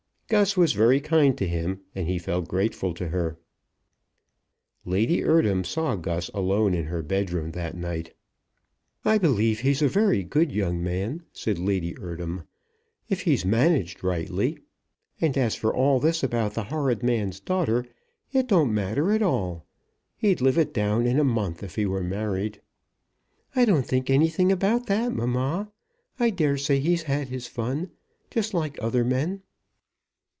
Gus was very kind to him, and he felt grateful to her. Lady Eardham saw Gus alone in her bedroom that night. "I believe he's a very good young man," said Lady Eardham, "if he's managed rightly. And as for all this about the horrid man's daughter, it don't matter at all. He'd live it down in a month if he were married." "I don't think anything about that, mamma. I dare say he's had his fun, just like other men."